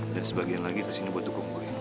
dan sebagian lagi kesini buat dukung gue